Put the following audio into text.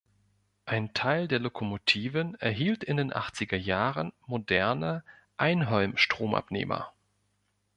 Ein Teil der Lokomotiven erhielt in den achtziger Jahren moderne Einholmstromabnehmer.